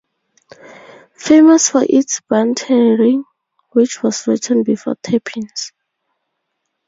Famous for its bantering, which was written before tapings.